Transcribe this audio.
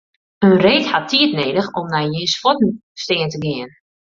In reed hat tiid nedich om nei jins fuotten stean te gean.